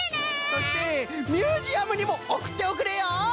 そしてミュージアムにもおくっておくれよ！